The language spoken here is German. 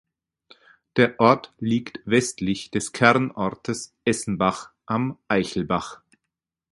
Der Ort liegt westlich des Kernortes Essenbach am "Eichelbach".